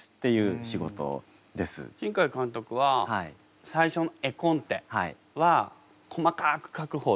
新海監督は最初絵コンテは細かく描く方ですか？